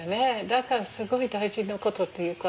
だからすごい大事なことっていうか。